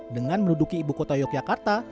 dengan menuduki ibu kota yogyakarta